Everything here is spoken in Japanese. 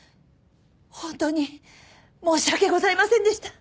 本当に申し訳ございませんでした！